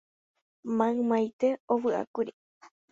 Maymaite ovyʼákuri.